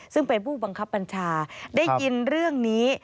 ซึ่งเป็นผู้บังคับบัญชาได้ยินเรื่องนี้